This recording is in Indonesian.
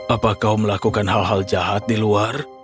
apa kau melakukan hal hal jahat di luar